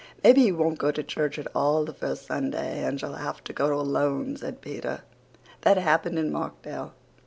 "Maybe he won't go to church at all the first Sunday and she'll have to go alone," said Peter. "That happened in Markdale.